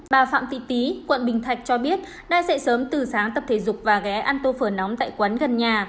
bà phạm tị tí quận bình thạch cho biết đã dậy sớm từ sáng tập thể dục và ghé ăn tô phở nóng tại quán gần nhà